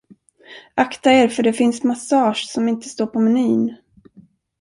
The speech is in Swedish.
Akta er för det finns massage som inte står på menyn.